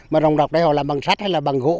mà rồng rọc đây họ làm bằng sách hay là bằng gỗ